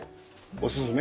おすすめ。